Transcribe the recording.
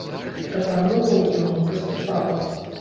Прапановаў яму не паступала.